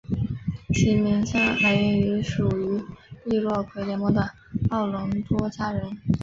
其名称来源于属于易洛魁联盟的奥农多加人。